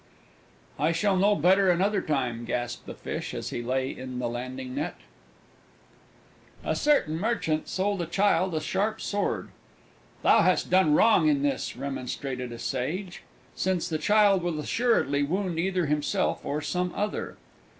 "I shall know better another time!" gasped the Fish, as he lay in the Landing net. A certain Merchant sold a child a sharp sword. "Thou hast done wrong in this," remonstrated a Sage, "since the child will assuredly wound either himself or some other."